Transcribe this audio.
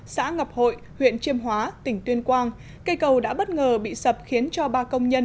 xã ngọc hội huyện chiêm hóa tỉnh tuyên quang cây cầu đã bất ngờ bị sập khiến cho ba công nhân